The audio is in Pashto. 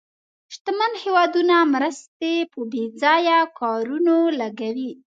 شتمن هېوادونه مرستې په بې ځایه کارونو لګوي.